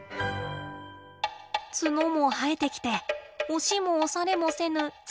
角も生えてきて押しも押されもせぬサイって感じ。